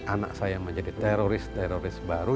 anak saya menjadi teroris teroris baru